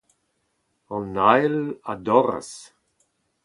An ahel a dorras.